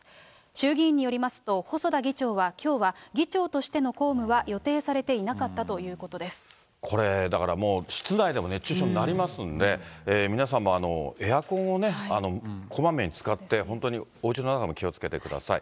衆議院によりますと、細田議長はきょうは議長としての公務は予定されていなかったといこれ、だからもう室内でも熱中症になりますんで、皆さんもエアコンをね、こまめに使って本当におうちの中も気をつけてください。